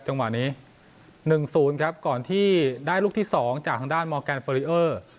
จังหวะนี้๑๐ครับก่อนที่ได้ลูกที่๒จากทางด้านมอร์แกนเฟอริเออร์